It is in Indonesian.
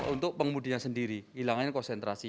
untuk pengemudinya sendiri hilangnya konsentrasi